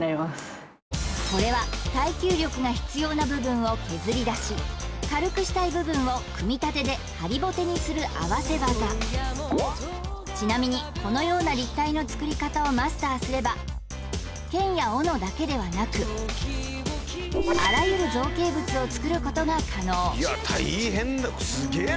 これは耐久力が必要な部分を削り出し軽くしたい部分を組み立てで張りぼてにする合わせ技ちなみにこのような立体の作り方をマスターすれば剣や斧だけではなくあらゆる造形物を作ることが可能いや大変だ